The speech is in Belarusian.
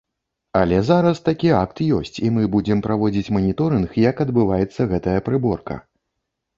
Але зараз такі акт ёсць, і мы будзем праводзіць маніторынг, як адбываецца гэтая прыборка.